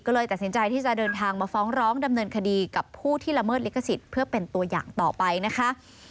ก็เลยตัดสินใจที่จะเดินทางมาฟ้องร้องดำเนินคดีกับผู้ที่ละเมิดลิขสิทธิ์เพื่อเป็นตัวอย่างต่อไปนะคะ